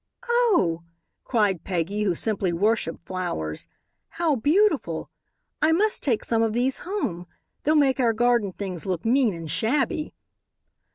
"Oh," cried Peggy, who simply worshipped flowers, "how beautiful; I must take some of these home. They'll make all our garden things look mean and shabby."